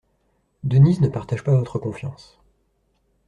Denise ne partage pas votre confiance.